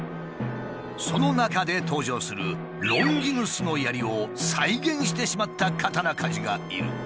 その中で登場する「ロンギヌスの槍」を再現してしまった刀鍛冶がいる。